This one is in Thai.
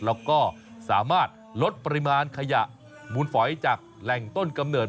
แล้วก็สามารถลดปริมาณขยะมูลฝอยจากแหล่งต้นกำเนิด